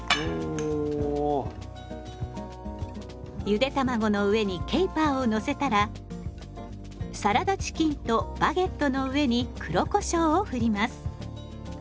ゆで卵の上にケイパーをのせたらサラダチキンとバゲットの上に黒こしょうをふります。